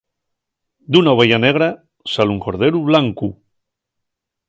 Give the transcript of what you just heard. D'una oveya negra sal un corderu blancu.